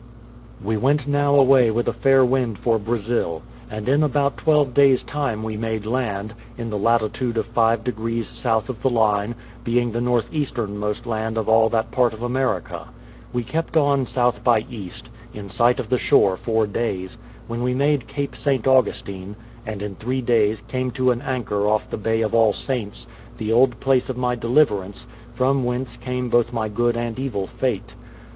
We went now away with a fair wind for Brazil; and in about twelve days' time we made land, in the latitude of five degrees south of the line, being the north easternmost land of all that part of America. We kept on S. by E., in sight of the shore four days, when we made Cape St. Augustine, and in three days came to an anchor off the bay of All Saints, the old place of my deliverance, from whence came both my good and evil fate.